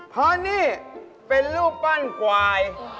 เพราะนี่เป็นรูปปั้นควาย